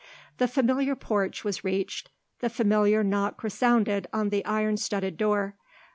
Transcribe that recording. The familiar porch was reached, the familiar knock resounded on the iron studded door.